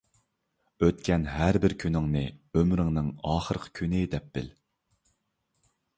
ئۆتكەن ھەر بىر كۈنۈڭنى ئۆمرۈمنىڭ ئاخىرقى كۈنى دەپ بىل.